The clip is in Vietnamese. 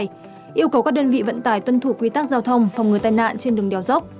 yêu cầu các đơn vị vận tải tuân thủ quy tắc giao thông phòng ngừa tai nạn trên đường đèo dốc